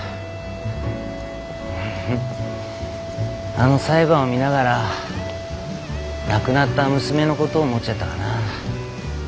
あの裁判を見ながら亡くなった娘のことを思っちゃったかな。